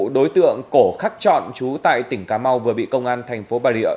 đối tượng cổ khắc trọn chú tại tỉnh cà mau vừa bị công an thành phố bà rịa